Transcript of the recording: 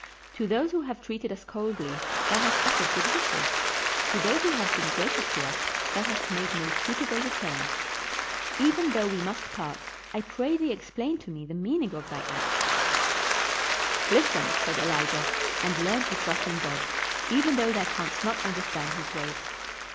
To those who have treated us coldly thou hast uttered good wishes ; to those who have been gracious to us thou hast made no suit able return. Even though we must part, I pray thee explain to me the meaning of thy acts." "Listen," said Elijah, "and learn to trust in God, even though thou canst not understand his ways.